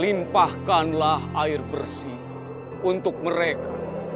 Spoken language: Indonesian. limpahkanlah air bersih untuk mereka